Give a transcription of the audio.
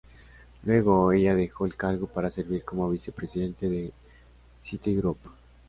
Luego, ella dejó el cargo para servir como vicepresidenta de Citigroup.